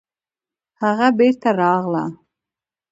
هغه بېرته راغله